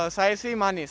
saya sih manis